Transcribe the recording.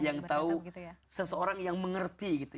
yang tahu seseorang yang mengerti gitu